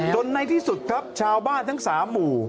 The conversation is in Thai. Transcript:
ในที่สุดครับชาวบ้านทั้ง๓หมู่